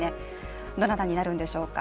どなたになるんでしょうか。